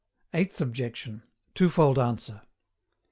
EIGHTH OBJECTION. TWOFOLD ANSWER.